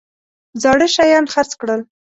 زاړه شیان خرڅ کړل.